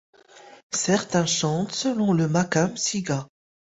Certains chantent selon le maqam Sigah.